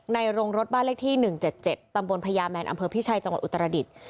โรงรถบ้านเลขที่๑๗๗ตำบลพญาแมนอำเภอพิชัยจังหวัดอุตรดิษฐ์